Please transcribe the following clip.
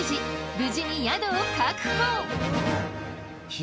無事に宿を確保。